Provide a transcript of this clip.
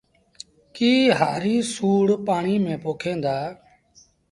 ڪي هآريٚ سُوڙ پآڻيٚ ميݩ پوکيݩ دآ